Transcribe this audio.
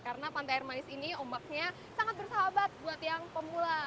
karena pantai air manis ini ombaknya sangat bersahabat buat yang pemula